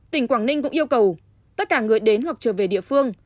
tỉnh quảng ninh cũng yêu cầu tất cả người đến hoặc trở về địa phương